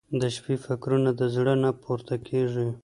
• د شپې فکرونه د زړه نه پورته کېږي.